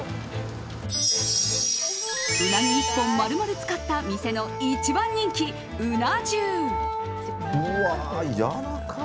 ウナギ１本丸々使った店の一番人気、うな重。